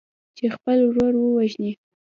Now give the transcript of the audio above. چې خپل ورور ووژني.